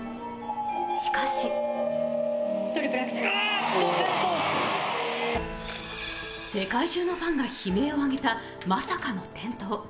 しかし世界中のファンが悲鳴を上げたまさかの転倒。